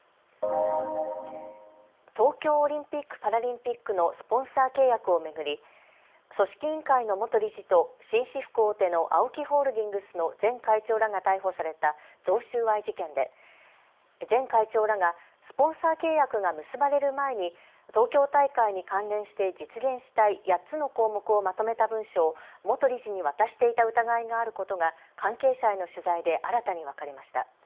東京オリンピック・パラリンピックのスポンサー契約を巡り組織委員会の元理事と紳士服大手のＡＯＫＩホールディングスの前会長らが逮捕された贈収賄事件で前会長らがスポンサー契約が結ばれる前に東京大会に関連して実現したい８つの項目をまとめた文書を元理事に渡していた疑いがあることが関係者への取材で新たに分かりました。